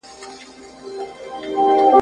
تللی به قاصد وي یو پیغام به یې لیکلی وي !.